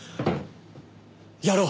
やろう！